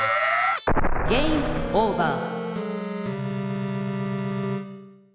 ゲームオーバー。